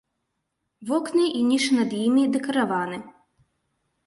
Вокны і нішы над імі дэкараваны.